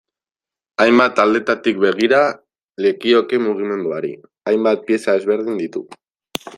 Hainbat aldetatik begira lekioke mugimenduari, hainbat pieza ezberdin ditu.